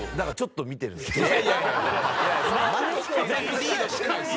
全くリードしてないですよ。